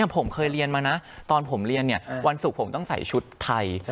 ผมเคยเรียนมานะตอนผมเรียนวันศุกร์ผมต้องใส่ชุดไทย